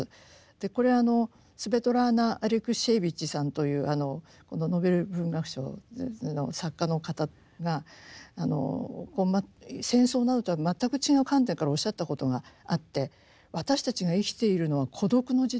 これスヴェトラーナ・アレクシエーヴィチさんというノーベル文学賞の作家の方が戦争などとは全く違う観点からおっしゃったことがあって私たちが生きているのは孤独の時代だと。